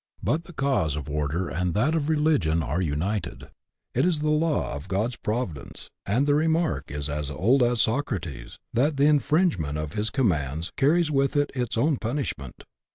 But the cause of order and that of religion are united. It is a law of God's providence, and the remark is as old as Socrates, that the infringement of his com mands carries with it its own punishment.